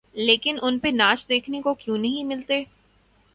لیکن ان پہ ناچ دیکھنے کو کیوں نہیں ملتے؟